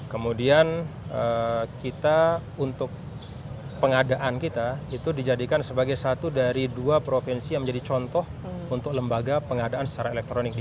kemudian kita untuk pengadaan kita itu dijadikan sebagai satu dari dua provinsi yang menjadi contoh untuk lembaga pengadaan secara elektronik